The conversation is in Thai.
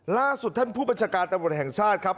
ล่าสุดท่านผู้บัญชาการตำรวจแห่งชาติครับ